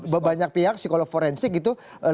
banyak pihak psikolog forensik itu